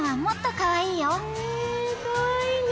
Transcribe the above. かわいいね。